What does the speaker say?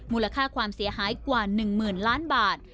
มูลค่าความเสียหายกว่า๑๐๐๐ล้านบาท